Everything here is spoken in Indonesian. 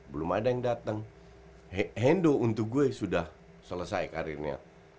belum ada yang datang hendo untuk gue sudah selesai karirnya